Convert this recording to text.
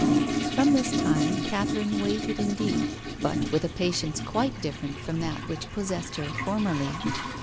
From this time Catherine waited indeed, but with a patience quite different from that which possessed her formerly.